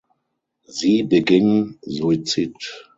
Sie beging Suizid.